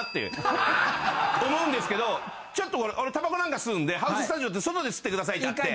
思うんですけどちょっと俺タバコ吸うんでハウススタジオって外で吸ってくださいってあって。